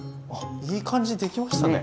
いい感じにできましたね。